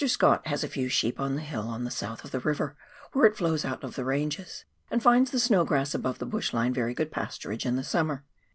Scott has a few sheep on the hill on the south of the river, where it flows out of the ranges, and finds the snow grass above the bush line very good pasturage in the summer.